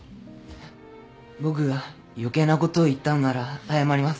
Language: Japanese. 僕が余計なことを言ったんなら謝ります。